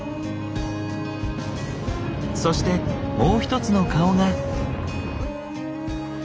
そしてもう一つの顔が。